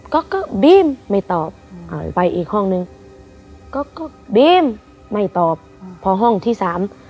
ก็ก็ก็บีมไม่ตอบอ่าไปอีกห้องนึงก็ก็บีมไม่ตอบอืมพอห้องที่สาม